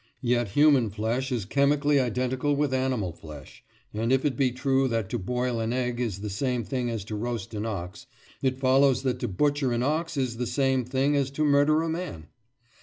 Yet human flesh is chemically identical with animal flesh, and if it be true that to boil an egg is the same thing as to roast an ox, it follows that to butcher an ox is the same thing as to murder a man.